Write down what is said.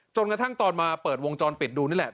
จนกระทั่งตอนมาเปิดวงจรปิดดูนี่แหละ